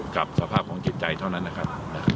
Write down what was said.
กับสภาพของจิตใจเท่านั้นนะครับ